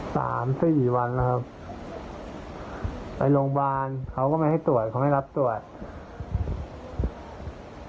สามสี่วันแล้วครับไปโรงพยาบาลเขาก็ไม่ให้ตรวจเขาไม่รับตรวจ